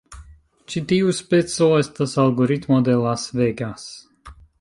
Ĉi tiu speco estas algoritmo de Las Vegas.